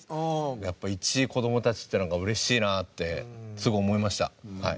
やっぱ１位子どもたちっていうのがうれしいなってすごい思いましたはい。